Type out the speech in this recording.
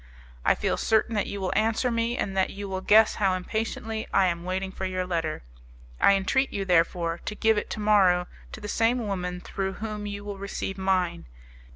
"I feel certain that you will answer me, and that you will guess how impatiently I am waiting for your letter. I entreat you, therefore, to give it to morrow to the same woman through whom you will receive mine!